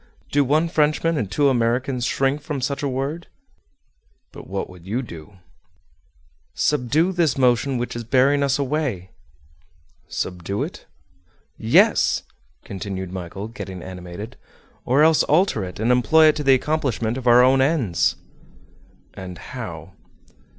Do one Frenchman and two Americans shrink from such a word?" "But what would you do?" "Subdue this motion which is bearing us away." "Subdue it?" "Yes," continued Michel, getting animated, "or else alter it, and employ it to the accomplishment of our own ends." "And how?"